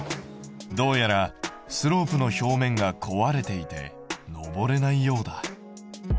どうやらスロープの表面が壊れていて上れないようだ。